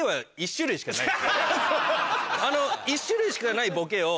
あの１種類しかないボケを。